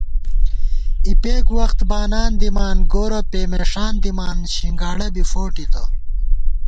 اِپېک وخت بانان دِامان گورہ پېمېݭان دِمان، شنگاڑہ بی فوٹِتہ